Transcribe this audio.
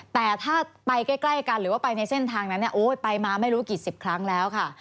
แต่ถ้าไปใกล้กันหรือว่าไปในเส้นทางนั้นโอ้ยไปมาไม่รู้กี่สิบครั้งแล้วค่ะ